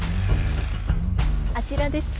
あちらです。